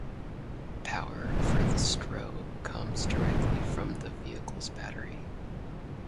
Power for the strobe comes directly from the vehicle's battery.